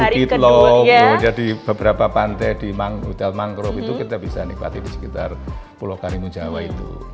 bukit loh jadi beberapa pantai di hotel mangrove itu kita bisa nikmati di sekitar pulau karimun jawa itu